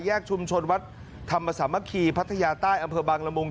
ชุมชนวัดธรรมสามัคคีพัทยาใต้อำเภอบางละมุง